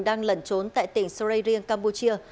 đang lẩn trốn tại tỉnh suray rien campuchia